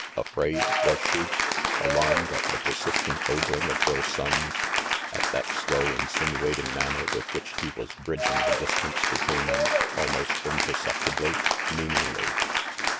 Afraid, was she? Alarmed at the persistent ogling of Bill Sonnes, at that slow, insinuating manner with which he was bridging the distance between them, almost imperceptibly, meaningly.